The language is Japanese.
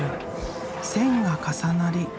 線が重なり